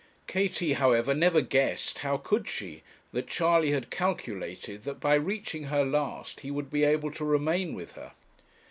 Katie, however, never guessed how could she? that Charley had calculated that by reaching her last he would be able to remain with her.